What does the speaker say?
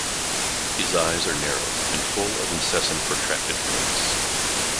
His eyes are narrow and full of incessant, protracted blinks.